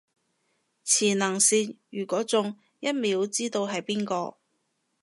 磁能線，如果中，一秒知道係邊個